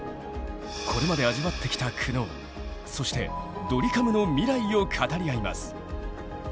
これまで味わってきた苦悩そしてドリカムの未来を語り合います。